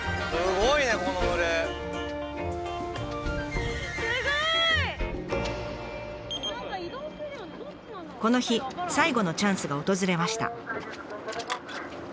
すごい！この日最後のチャンスが訪れました。